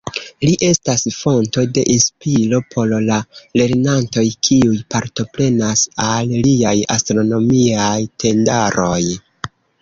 Li estas fonto de inspiro por la lernantoj, kiuj partoprenas al liaj Astronomiaj Tendaroj.